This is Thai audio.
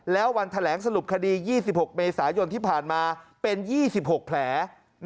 แล้ววันแถลงสรุปคดี๒๖เมษายนที่ผ่านมาเป็น๒๖แผล